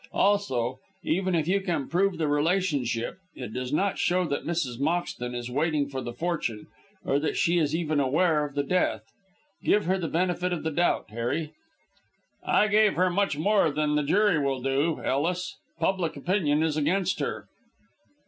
Also, even if you can prove the relationship, it does not show that Mrs. Moxton is waiting for the fortune, or that she is even aware of the death. Give her the benefit of the doubt, Harry." "I give her much more than the jury will do, Ellis. Public opinion is against her."